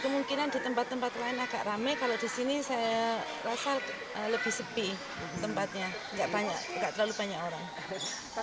kemungkinan di tempat tempat lain agak rame kalau di sini saya rasa lebih sepi tempatnya terlalu banyak orang